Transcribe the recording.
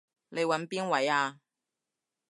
你搵邊位啊？